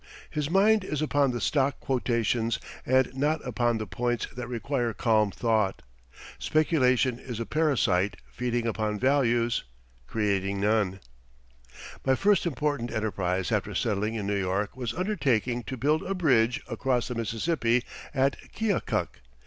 His mind is upon the stock quotations and not upon the points that require calm thought. Speculation is a parasite feeding upon values, creating none. My first important enterprise after settling in New York was undertaking to build a bridge across the Mississippi at Keokuk.